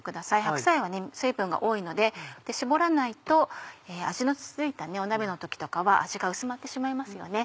白菜は水分が多いので絞らないと味の付いた鍋の時とかは味が薄まってしまいますよね。